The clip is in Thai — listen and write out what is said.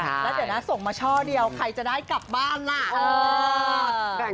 แล้วเดี๋ยวนะส่งมาช่อเดียวใครจะได้กลับบ้านล่ะ